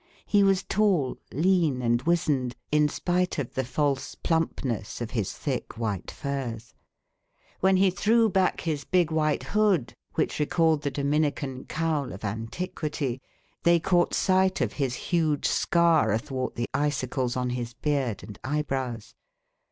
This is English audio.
He was tall, lean, and wizened, in spite of the false plumpness of his thick white furs. When he threw back his big white hood, which recalled the Dominican cowl of antiquity, they caught sight of his huge scar athwart the icicles on his beard and eyebrows.